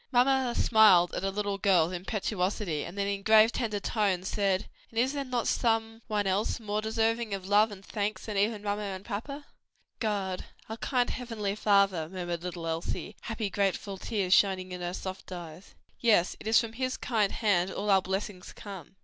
Mamma smiled at her little girl's impetuosity, then in grave, tender tones, said, "And is there not some One else more deserving of love and thanks than even papa and mamma?" "God, our kind heavenly Father," murmured little Elsie, happy, grateful tears shining in her soft eyes. "Yes, it is from his kind hand all our blessings come."